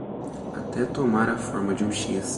até tomar a forma de um X